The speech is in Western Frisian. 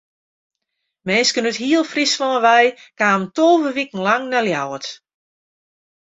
Minsken út heel Fryslân wei kamen tolve wiken lang nei Ljouwert.